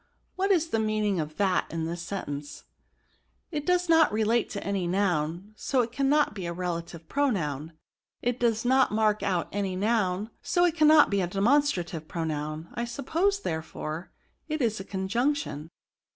What is the meaning of that in this sentence ?*'^* It does not relate to any noun, so it cannot be a relative pronoim. It does not mark out any noun, so it cannot be a demon strative pronoun ; I suppose, therefore, it is a conjunction.